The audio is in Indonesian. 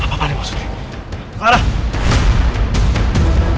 apaan ini masud